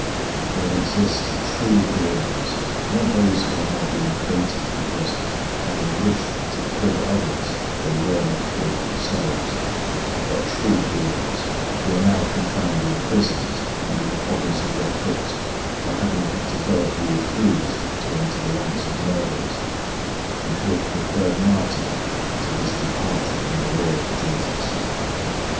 There exist true heroes, not those who are now being fêted because, having wished to kill others, they were not killed themselves, but true heroes, who are now confined in prisons and in the province of Yakoutsk for having categorically refused to enter the ranks of murderers, and who have preferred martyrdom to this departure from the law of Jesus.